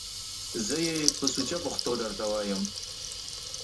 زه یې په سوچه پښتو درته وایم!